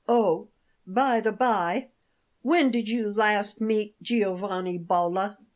"Oh, by the bye, when did you last meet Giovanni Bolla?"